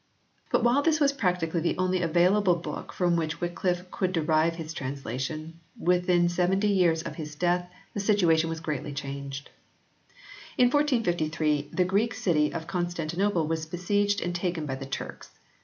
But while this was practically the only available book from which Wycliffe could derive his translation, within seventy years of his death the situation was greatly changed. In 1453 the Greek city of Con stantinople was besieged and taken by the Turks.